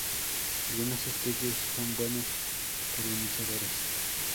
Algunas especies son buenos polinizadores.